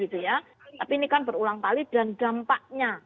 tapi ini kan berulang kali dan dampaknya